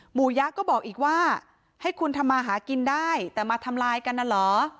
ยะก็บอกอีกว่าให้คุณทำมาหากินได้แต่มาทำลายกันน่ะเหรอ